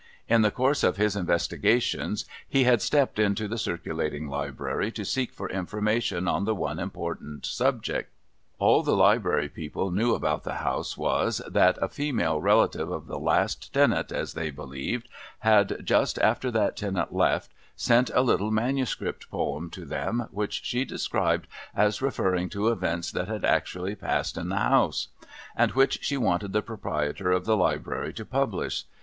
In the course of his investigations he had stepped into the Circulating Library, to seek for information on the one impor tant subject. All the Library people knew about the House was, that a female relative of the last tenant, as they believed, had, just after that tenant left, sent a little manuscript poem to them which she described as referring to events that had actually passed in the House ; and which she wanted the proprietor of the Library to publish.